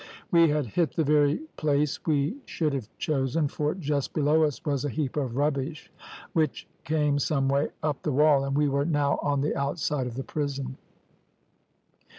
We had hit the very place we should have chosen, for just below us was a heap of rubbish which came some way up the wall, and we were now on the outside of the prison.